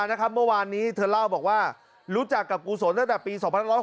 เมื่อวานนี้เธอเล่าบอกว่ารู้จักกับกุศลตั้งแต่ปี๒๑๖